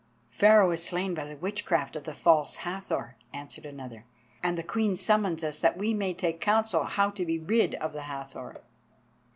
"Pharaoh is slain by the witchcraft of the False Hathor," answered another; "and the Queen summons us that we may take counsel how to be rid of the Hathor."